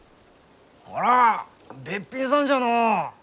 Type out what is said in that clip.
あらあべっぴんさんじゃのう。